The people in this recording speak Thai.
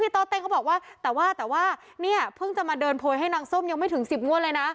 แต่ว่าแต่ว่าเนี่ยเพิ่งจะมาเดินพวยให้นางส้มไม่ถึง๑๐งวดเลยนะ